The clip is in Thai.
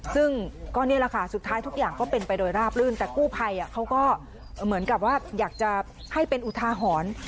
ซึ่งก็นี่แหละค่ะสุดท้ายทุกอย่างก็เป็นไปโดยราบลื่นแต่กู้ภัยเขาก็เหมือนกับว่าอยากจะให้เป็นอุทาหรณ์